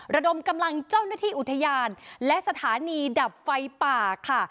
ระดมกำลังเจ้าหน้าที่อุทยานและสถานีดับไฟป่าค่ะ